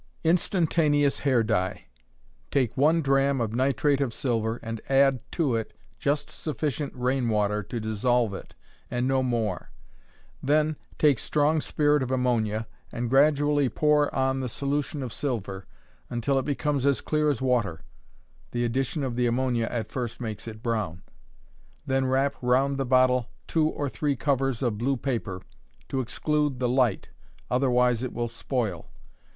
Instantaneous Hair Dye. Take one drachm of nitrate of silver, and add to it just sufficient rain water to dissolve it, and no more; then take strong spirit of ammonia, and gradually pour on the solution of silver, until it becomes as clear as water, (the addition of the ammonia at first makes it brown); then wrap round the bottle two or three covers of blue paper, to exclude the light otherwise it will spoil.